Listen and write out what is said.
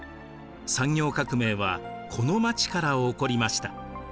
産業革命はこの町から起こりました。